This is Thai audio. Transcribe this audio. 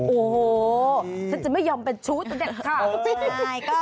โอ้โหฉันจะไม่ยอมเป็นชู้ตัวเด็ดขาด